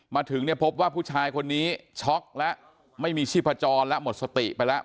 มาถึงเนี่ยพบว่าผู้ชายคนนี้ช็อกแล้วไม่มีชีพจรแล้วหมดสติไปแล้ว